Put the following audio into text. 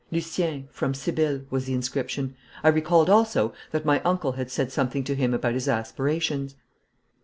'Lucien, from Sibylle,' was the inscription. I recalled also that my uncle had said something to him about his aspirations.